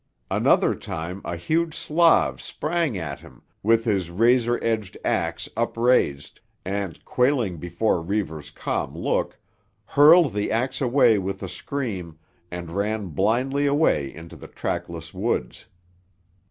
Another time a huge Slav sprang at him with his razor edged ax up raised, and, quailing before Reivers' calm look, hurled the ax away with a scream and ran blindly away into the trackless woods.